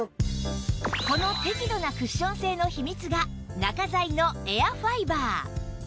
この適度なクッション性の秘密が中材のエアファイバー